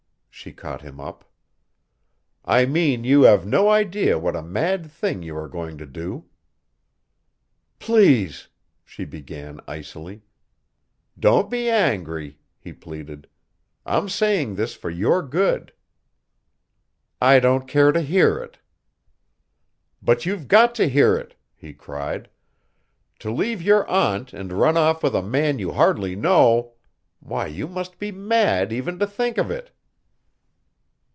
she caught him up. "I mean you have no idea what a mad thing you are going to do." "Please" she began icily. "Don't be angry," he pleaded. "I'm saying this for your good." "I don't care to hear it." "But you've got to hear it," he cried. "To leave your aunt and run off with a man you hardly know why you must be mad even to think of it."